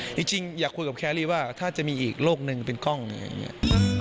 จริงอยากคุยกับแครรี่ว่าถ้าจะมีอีกโลกหนึ่งเป็นกล้องอย่างนี้